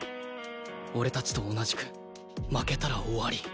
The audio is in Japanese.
俺たちと同じく負けたら終わり。